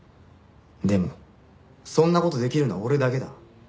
でもそんな事できるのは俺だけだ。